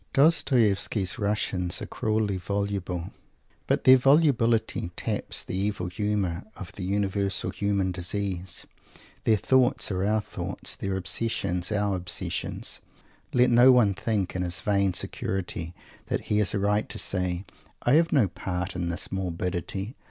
Dostoievsky's Russians are cruelly voluble, but their volubility taps the evil humour of the universal human disease. Their thoughts are our thoughts, their obsessions, our obsessions. Let no one think, in his vain security, that he has a right to say: "I have no part in this morbidity.